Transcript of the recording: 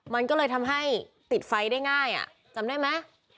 มันก็เลยทำให้ติดไฟได้ง่ายจำได้ไหม